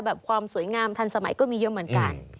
ความสวยงามทันสมัยก็มีเยอะเหมือนกัน